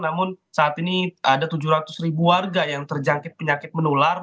namun saat ini ada tujuh ratus ribu warga yang terjangkit penyakit menular